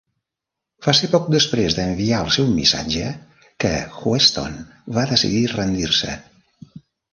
Va ser poc després d'enviar el seu missatge quan Heuston va decidir rendir-se.